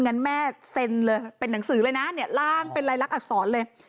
งั้นแม่เซ็นเลยเป็นหนังสือเลยนะเนี่ยล่างเป็นลายลักษณอักษรเลย